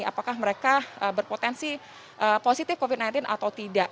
apakah mereka berpotensi positif covid sembilan belas atau tidak